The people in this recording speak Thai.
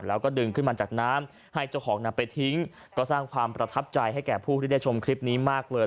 แล้วก็ดึงขึ้นมาจากน้ำให้เจ้าของนำไปทิ้งก็สร้างความประทับใจให้แก่ผู้ที่ได้ชมคลิปนี้มากเลย